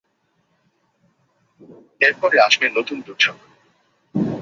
এরপরে আসবে নতুন দূর্যোগ।